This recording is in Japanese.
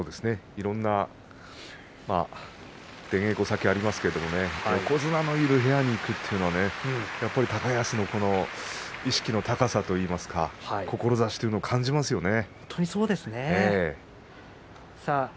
いろんな出稽古先がありますが横綱のいる部屋に行くというのは高安の意識の高さといいますか志をを感じますね。